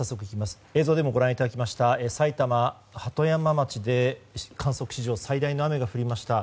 映像でもご覧いただきました埼玉・鳩山町で観測史上最大の雨が降りました。